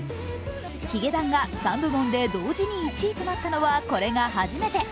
ヒゲダンが３部門で同時に１位となったのは、これが初めて。